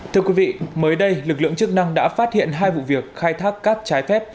thưa quý vị mới đây lực lượng chức năng đã phát hiện hai vụ việc khai thác cát trái phép